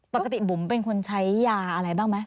ปกติบุ๋มเป็นคนใช้ยาอะไรบ้างไหม